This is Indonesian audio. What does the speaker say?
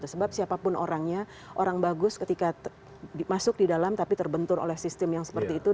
sebab siapapun orangnya orang bagus ketika masuk di dalam tapi terbentur oleh sistem yang seperti itu